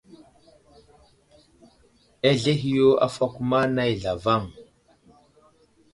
Azlehi yo afakoma nay zlavaŋ.